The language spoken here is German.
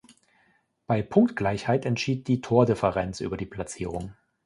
Bei Punktgleichheit entschied die Tordifferenz über die Platzierung.